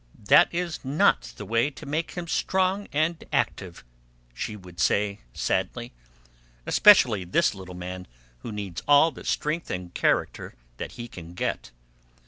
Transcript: "That is not the way to make him strong and active," she would say sadly, "especially this little man, who needs all the strength and character that he can get."